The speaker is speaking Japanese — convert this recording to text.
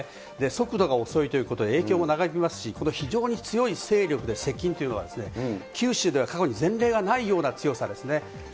速度が遅いということで影響も長引きますし、この非常に強い勢力で接近というのは、九州では過去に前例がないような強さですね。